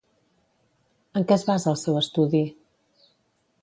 En què es basa el seu estudi?